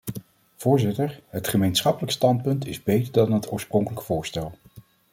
Voorzitter, het gemeenschappelijk standpunt is beter dan het oorspronkelijk voorstel.